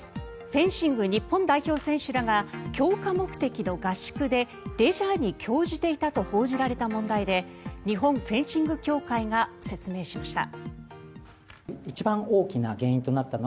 フェンシング日本代表選手らが強化目的の合宿でレジャーに興じていたと報じられた問題で日本フェンシング協会が説明しました。